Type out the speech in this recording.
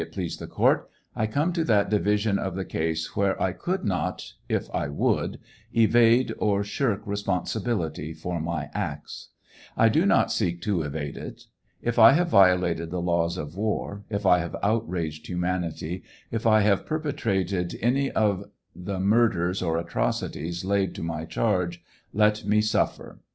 please the court, I come to that division of the case where I could not if I would evade or shirk responsibility for my acts. I do not seek to evade it. If I have violated the laws of war, if I have outraged humanity, if I have perpetrated any of the murders or atrocities laid to my charge, let mf) suffer.